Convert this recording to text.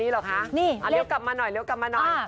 เลขนี้เหรอคะเรียกกลับมาหน่อย